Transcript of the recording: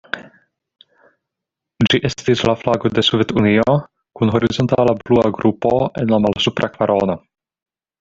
Ĝi estis la flago de Sovetunio, kun horizontala blua grupo en la malsupra kvarono.